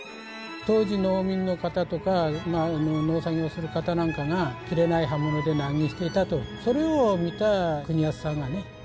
当時農民の方とか農作業する方なんかが切れない刃物で難儀していたとそれを見た国安さんがね